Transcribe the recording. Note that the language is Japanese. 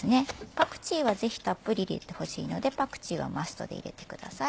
パクチーはぜひたっぷり入れてほしいのでパクチーはマストで入れてください。